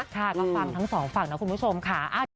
ค่ะก็ฟังทั้งสองฝั่งนะคุณผู้ชมค่ะ